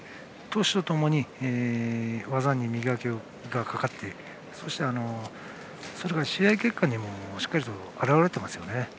技に磨きがかかってそして、それが試合結果にもしっかりと表れていますよね。